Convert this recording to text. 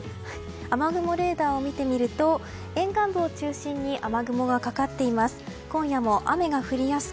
雨雲レーダーを見てみると沿岸部を中心に雨雲がかかっています。